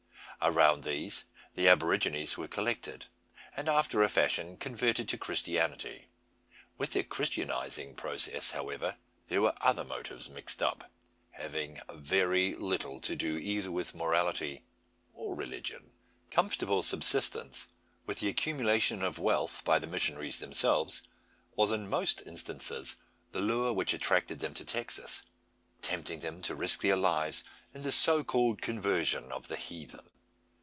Around these the aborigines were collected, and after a fashion converted to Christianity. With the christianising process, however, there were other motives mixed up, having very little to do either with morality or religion. Comfortable subsistence, with the accumulation of wealth by the missionaries themselves, was in most instances the lure which attracted them to Texas, tempting them to risk their lives in the so called conversion of the heathen.